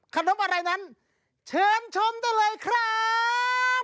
ขนมอะไรนั้นเชิญชมได้เลยครับ